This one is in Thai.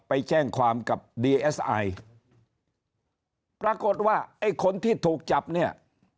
ไปแจ้งความกับดีเอสไอปรากฏว่าไอ้คนที่ถูกจับเนี่ย